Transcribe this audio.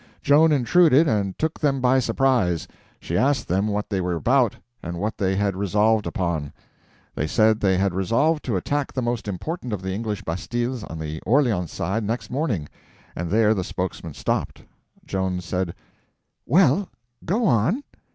Joan intruded and took them by surprise. She asked them what they were about and what they had resolved upon. They said they had resolved to attack the most important of the English bastilles on the Orleans side next morning—and there the spokesman stopped. Joan said: "Well, go on."